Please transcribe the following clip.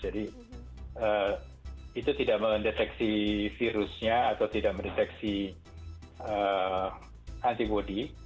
jadi itu tidak mendeteksi virusnya atau tidak mendeteksi antibody